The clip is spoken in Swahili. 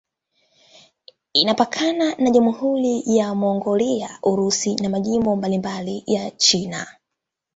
Imepakana na Jamhuri ya Mongolia, Urusi na majimbo mbalimbali ya China.